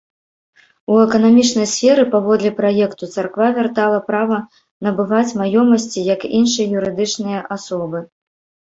У эканамічнай сферы, паводле праекту царква вяртала права набываць маёмасці, як іншыя юрыдычныя асобы.